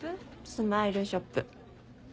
スマイルショップ。